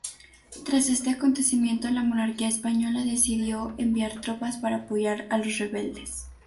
Tras este acontecimiento la monarquía española decidió enviar tropas para apoyar a los rebeldes.